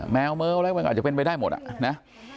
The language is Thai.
แมวอะไรก็อาจจะเป็นไปได้หมดนะ